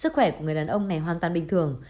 sức khỏe của người đàn ông này hoàn toàn bình thường